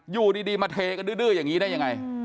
อยู่ดีมาเทกันดื้ออย่างนี้ได้ยังไง